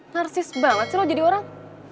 narsis banget sih lo jadi orang